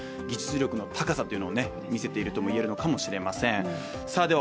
技術力の高さというのを見せているとも言えるのかもしれません。